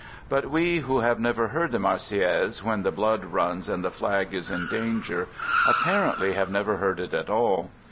But we who have never heard the Marseillaise when " the blood runs " and the " flag is in danger," apparently have never heard it at all.